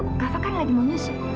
kava kan lagi mau nyusu